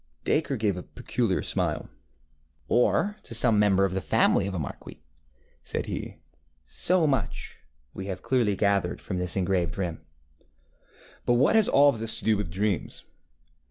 ŌĆØ Dacre gave a peculiar smile. ŌĆ£Or to some member of the family of a marquis, ŌĆØ said he. ŌĆ£So much we have clearly gathered from this engraved rim. ŌĆØ ŌĆ£But what has all this to do with dreams?